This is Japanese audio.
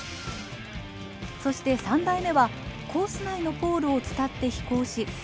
そして３台目はコース内のポールを伝って飛行しよじ登る